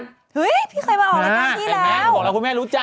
พี่เคยมาออกรายการบีแล้วไอ้แม่โปรดเรากูแม่รู้จัก